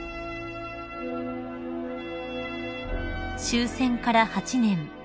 ［終戦から８年］